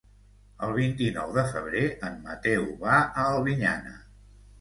El vint-i-nou de febrer en Mateu va a Albinyana.